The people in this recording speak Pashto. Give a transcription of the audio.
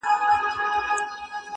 په ښارونو په دښتونو کي وړیا وه-